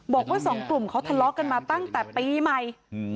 บอกว่าสองกลุ่มเขาทะเลาะกันมาตั้งแต่ปีใหม่